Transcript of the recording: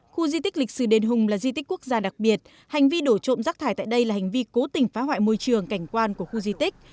khu di tích lịch sử đền hùng là di tích quốc gia đặc biệt hành vi đổ trộm rác thải tại đây là hành vi cố tình phá hoại môi trường cảnh quan của khu di tích